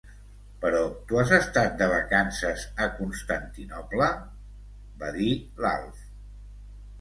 Però tu has estat de vacances a Constantinoble? —va dir l'Alf.